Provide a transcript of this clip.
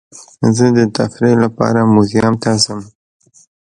زه د تفریح لپاره میوزیم ته ځم.